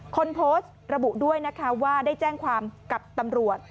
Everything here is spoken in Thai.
คนโพสต์ระบุด้วยนะคะว่าได้แจ้งความกับตำรวจ